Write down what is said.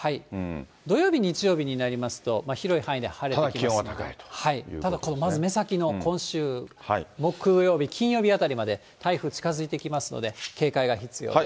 土曜日、日曜日になりますと、ただ、ただこの目先の今週木曜日、金曜日あたりまで台風近づいてきますので、警戒が必要です。